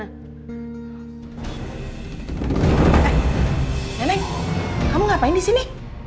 eh nenek kamu ngapain di sini